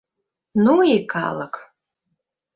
— Ну и калык!..